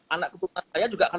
anak keputus saya juga akan